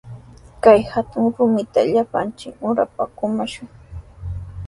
Kay hatun rumita llapanchik urapa kumashun.